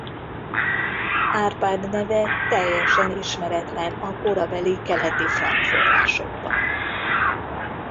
Árpád neve teljesen ismeretlen a korabeli keleti frank forrásokban.